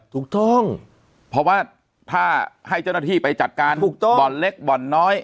ถูกต้องเพราะว่าถ้าให้เจ้าหน้าที่ไปจัดการบ่อนเล็กบ่อนน้อย